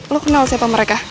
lo kenal siapa mereka